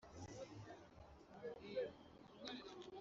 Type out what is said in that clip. y akazi Icyo gihe inama iraterana kandi ibyemezo